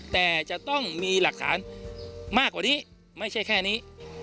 แต่จะต้องมีหลักฐานมากกว่านี้ไม่ใช่แค่นี้